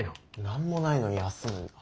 何もないのに休むんだ。